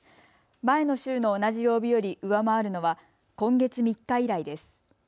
前の週の同じ曜日より上回るのは今月３日以来です。